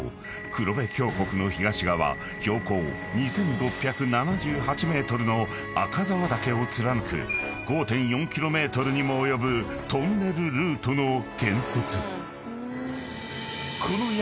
［黒部峡谷の東側標高２，６７８ｍの赤沢岳を貫く５．４ｋｍにも及ぶトンネルルートの建設］